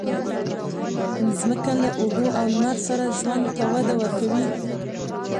مځکه له اوبو او لمر سره ژوند ته وده ورکوي.